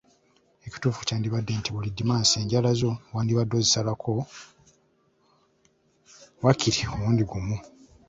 Ekituufu kyandibadde nti buli Ddimansi enjala zo wandibadde ozisalako waakiri omulundi gumu.